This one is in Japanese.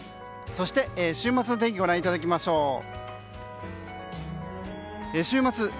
そして、週末の天気ご覧いただきましょう。